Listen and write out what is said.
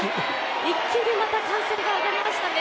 一気にまた歓声が上がりましたね。